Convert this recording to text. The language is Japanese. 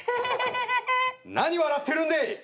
何笑ってるんでい！